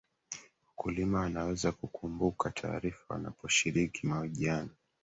wakulima wanaweza kukumbuka taarifa wanaposhiriki mahojiano